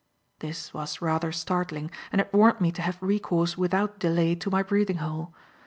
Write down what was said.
This was rather startling, and it warned me to have recourse without delay to my breathing hole.